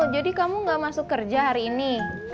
jadi kamu gak masuk kerja hari ini